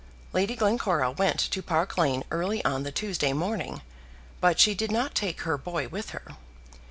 Lady Glencora went to Park Lane early on the Tuesday morning, but she did not take her boy with her.